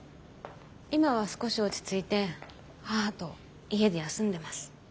今は少し落ち着いて母と家で休んでます。